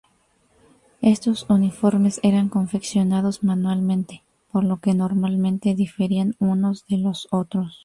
Estos uniformes eran confeccionados manualmente, por lo que normalmente diferían unos de los otros.